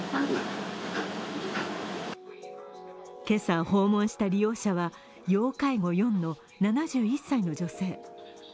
今朝、訪問した利用者は要介護４の７１歳の女性。